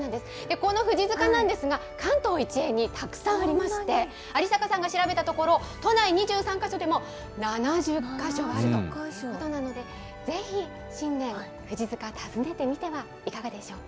この富士塚なんですが、関東一円にたくさんありまして、有坂さんが調べたところ、都内２３か所でも７０か所あるということなので、ぜひ新年、富士塚、訪ねてみてはいかがでしょうか。